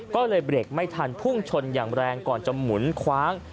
ก็เลยเบรกไม่ทันพุ่งชนอย่างแรงก่อนจะหมุนคว้าง